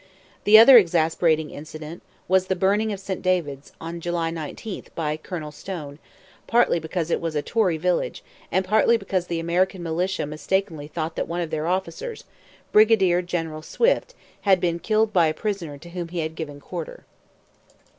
The other exasperating incident was the burning of St David's on July 19 by a Colonel Stone; partly because it was a 'Tory village' and partly because the American militia mistakenly thought that one of their officers, Brigadier General Swift, had been killed by a prisoner to whom he had given quarter.